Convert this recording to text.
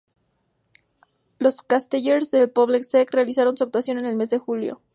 Los Castellers del Poble Sec realizan su actuación en el mes de julio.